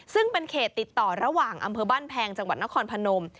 ซึ่งเป็นเขตติดต่อระหว่างอำเภอบ้านแพงจังหวัดนครพนม